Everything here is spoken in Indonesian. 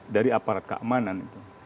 dari aparat keamanan itu